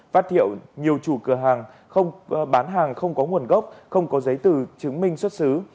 phát hiệu nhiều chủ cửa hàng bán hàng không có nguồn gốc không có giấy từ chứng minh xuất xứ